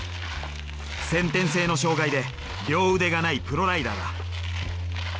先天性の障害で両腕がないプロライダーだ。